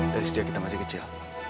dari sejak kita masih kecil